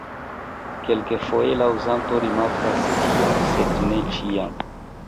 Kelkfoje la uzanto rimarkas tion sed ne ĉiam.